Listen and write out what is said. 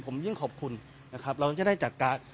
ผมยิ่งขอบคุณนะครับเราจะได้จัดการ